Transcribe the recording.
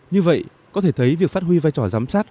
như vậy có thể thấy việc phát huy vai trò giám sát